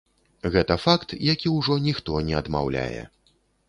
Гэта факт, які ўжо ніхто не адмаўляе.